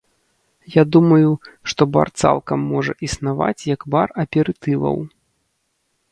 Я думаю, што бар цалкам можа існаваць як бар аперытываў.